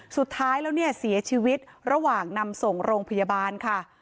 สุดท้ายแล้วเนี่ยเสียชีวิตระหว่างนำส่งโรงพยาบาลค่ะ